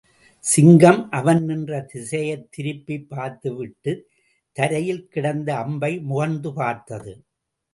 சிங்கம் அவன் நின்ற திசையைத் திரும்பிப் பத்துவிட்டுக் தரையில் கிடந்த அம்பை முகர்ந்து பார்த்தது.